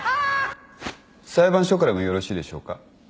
裁判所からもよろしいでしょうか。